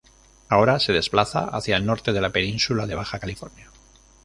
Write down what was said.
Ahora se desplaza hacia el norte de la península de Baja California.